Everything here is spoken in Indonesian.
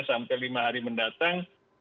sampai lima hari mendatang